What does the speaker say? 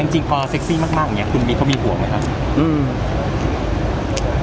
จริงพอเซ็กซี่มากอย่างนี้คุณบิ๊กเขามีห่วงไหมครับ